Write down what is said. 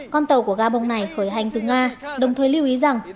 con tàu của gabon này khởi hành từ nga đồng thời lưu ý rằng